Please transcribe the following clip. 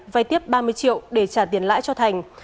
vay tiếp ba mươi triệu để trả tiền lãi cho thành